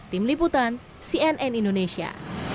tim liputan cnn indonesia